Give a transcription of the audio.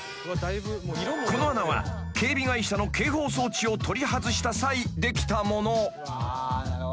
［この穴は警備会社の警報装置を取り外した際できたもの］